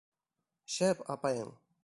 Шәп апайың!